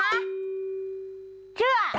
ย่ายดาวข้าวอีย้าง